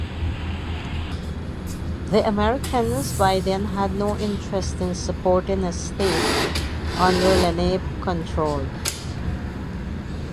The Americans by then had no interest in supporting a state under Lenape control.